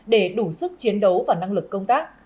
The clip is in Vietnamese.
để đủ sức chiến đấu và năng lực công tác